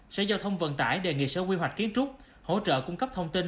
sở giao thông vận tải đề nghị sở quy hoạch kiến trúc hỗ trợ cung cấp thông tin